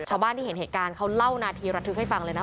ชาวบ้านที่เห็นเหตุการณ์เขาเล่านาทีระทึกให้ฟังเลยนะ